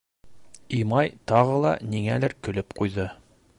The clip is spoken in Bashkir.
— Имай тағы ла ниңәлер көлөп ҡуйҙы.